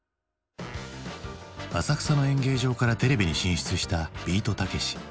浅草の演芸場からテレビに進出したビートたけし。